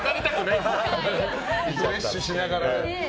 リフレッシュしながら。